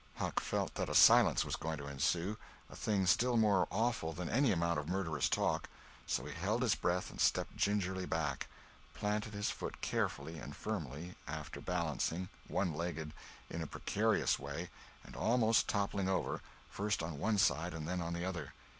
Huck felt that a silence was going to ensue—a thing still more awful than any amount of murderous talk; so he held his breath and stepped gingerly back; planted his foot carefully and firmly, after balancing, one legged, in a precarious way and almost toppling over, first on one side and then on the other.